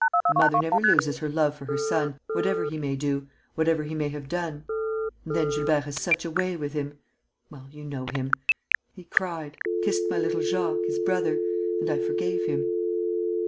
A mother never loses her love for her son, whatever he may do, whatever he may have done. And then Gilbert has such a way with him ... well, you know him. He cried, kissed my little Jacques, his brother and I forgave him."